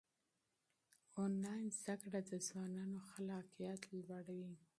آنلاین زده کړه د ځوانانو خلاقیت لوړوي.